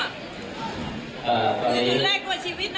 อ่าตอนนี้จะแรกกว่าชีวิตนะคะ